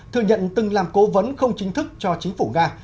thừa nhận từng làm cố vấn không chính thức cho chính phủ nga